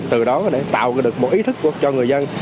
từ đó để tạo được một ý thức cho người dân